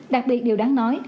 đặc biệt điều đáng nói